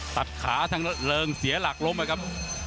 ตัดขาทางเริงเสียหลักล้มนะครับ